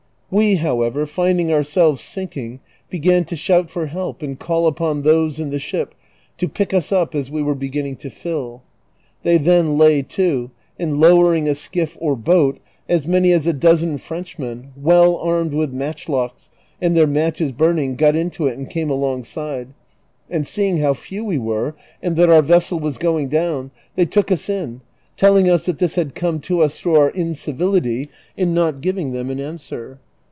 We, however, finding oui'selves sinking began to shout for help and call upon those in the ship ti) pick us up as we were beginning to fill. They then lay to, and lowering a skiff or boat, as many as a dozen Frenchmen, well armed with matchlocks, and their matches burning, got into it and came alongside ; and seeing how few we were, and that our vessel was going down, they took us in, telling us that this had come to us through our incivility in not giving them an answer.